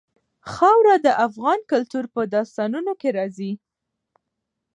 خاوره د افغان کلتور په داستانونو کې راځي.